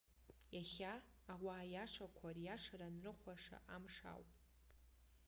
Иахьа, ауаа иашақәа, риашара анрыхәаша амш ауп.